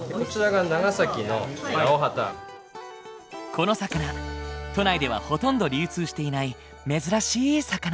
この魚都内ではほとんど流通していない珍しい魚。